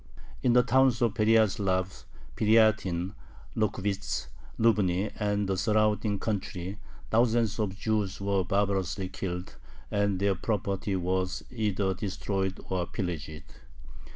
In the towns of Pereyaslav, Piryatin, Lokhvitz, Lubny, and the surrounding country, thousands of Jews were barbarously killed, and their property was either destroyed or pillaged.